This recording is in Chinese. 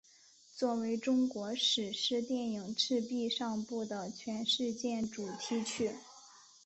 作为中国史诗电影赤壁上部的全世界主题曲。